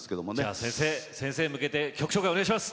先生に向けて曲紹介をお願いします。